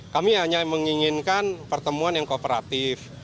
kami hanya menginginkan pertemuan yang kooperatif